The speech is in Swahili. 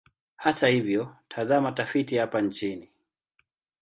Hata hivyo, tazama tafiti hapa chini.